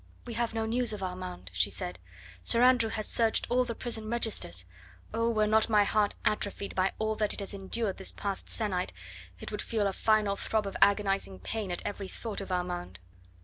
"We have no news of Armand," she said. "Sir Andrew has searched all the prison registers. Oh! were not my heart atrophied by all that it has endured this past sennight it would feel a final throb of agonising pain at every thought of Armand."